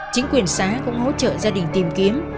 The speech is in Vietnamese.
chính quyền xá cũng hỗ trợ gia đình tìm kiếm